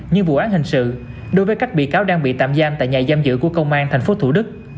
như vụ án hình sự đối với các bị cáo đang bị tạm giam tại nhà giam giữ của công an tp thủ đức